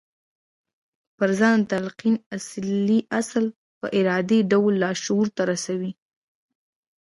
پر ځان د تلقين اصل يې په ارادي ډول لاشعور ته رسوي.